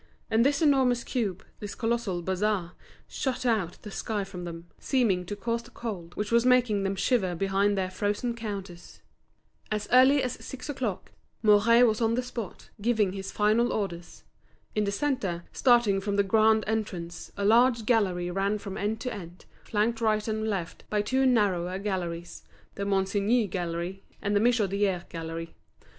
And this enormous cube, this colossal bazaar, shut out the sky from them, seeming to cause the cold which was making them shiver behind their frozen counters. As early as six o'clock, Mouret was on the spot, giving his final orders. In the centre, starting from the grand entrance, a large gallery ran from end to end, flanked right and left by two narrower galleries, the Monsigny Gallery and the Michodière Gallery.